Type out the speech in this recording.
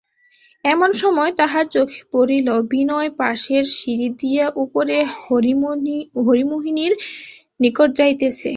এমন সময় তাঁহার চোখে পড়িল বিনয় পাশের সিঁড়ি দিয়া উপরে হরিমোহিনীর নিকট যাইতেছে।